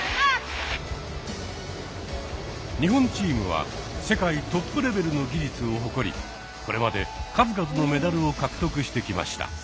日本チームは世界トップレベルの技術を誇りこれまで数々のメダルを獲得してきました。